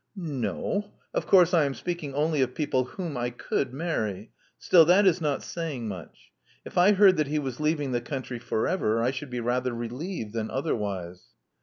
"N no. Of course I am speaking only of people whom I could marry. Still, that is not saying much. If I heard that he was leaving the country for ever, I should be rather relieved than otherwise."